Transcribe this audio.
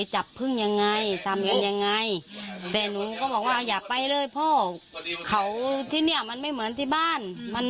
หนูก็บอกว่าอย่าไปเลยพ่อเขาที่เนี่ยมันไม่เหมือนที่บ้าน